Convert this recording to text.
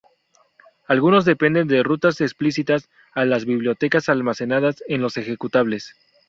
Algunos dependen de rutas explícitas a las bibliotecas almacenadas en los ejecutables.